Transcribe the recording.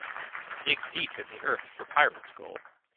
Dig deep in the earth for pirate's gold.